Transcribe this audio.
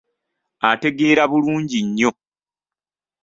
Ategeera bulungi nnyo.